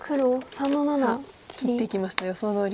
さあ切っていきました予想どおり。